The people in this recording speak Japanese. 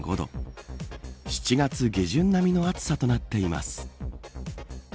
７月下旬並みの暑さとなっています。